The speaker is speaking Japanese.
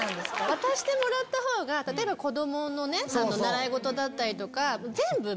渡してもらった方が例えば子供の習い事だったりとか。